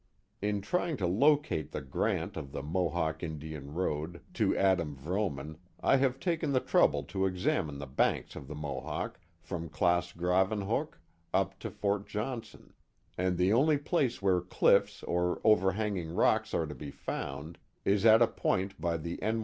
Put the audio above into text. In trying to locate the grant of the Mohawk Indian Rode, to Adam Vrooman, I have taken the trouble to examine the banks of the Mohawk from Claas Graven hoek up to Fort Johnson, and the only place where cliffs or overhanging rocks are to be found is at a point by the N.